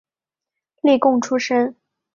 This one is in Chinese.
例贡出身。